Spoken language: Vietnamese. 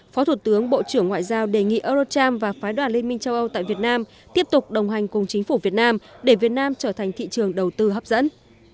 phó thủ tướng bộ trưởng ngoại giao đề nghị eurocharm và phái đoàn liên minh châu âu tại việt nam tiếp tục đồng hành cùng chính phủ việt nam để việt nam trở thành thị trường đầu tư hấp dẫn